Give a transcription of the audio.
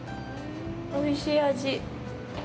おいしい味！